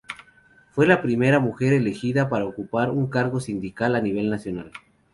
Fue la primera mujer elegida para ocupar un cargo sindical a nivel nacional.